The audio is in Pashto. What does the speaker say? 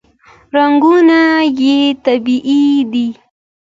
رنګونه یې طبیعي دي.